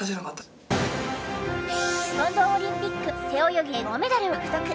ロンドンオリンピック背泳ぎで銅メダルを獲得。